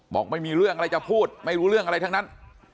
บอกไม่มีเรื่องอะไรจะพูดไม่รู้เรื่องอะไรทั้งนั้น